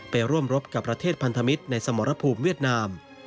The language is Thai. ไปร่วมรบกับประเทศพันธมิตรในสมรภูมิเวียดนาม